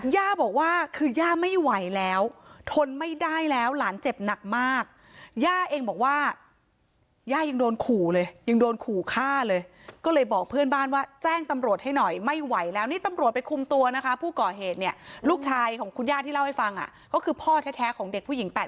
ย่าบอกว่าคือย่าไม่ไหวแล้วทนไม่ได้แล้วหลานเจ็บหนักมากย่าเองบอกว่าย่ายังโดนขู่เลยยังโดนขู่ฆ่าเลยก็เลยบอกเพื่อนบ้านว่าแจ้งตำรวจให้หน่อยไม่ไหวแล้วนี่ตำรวจไปคุมตัวนะคะผู้ก่อเหตุเนี่ยลูกชายของคุณย่าที่เล่าให้ฟังอ่ะก็คือพ่อแท้ของเด็กผู้หญิง๘๐